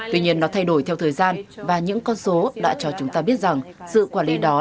tuy nhiên nó thay đổi theo thời gian và những con số đã cho chúng ta biết rằng sự quản lý đó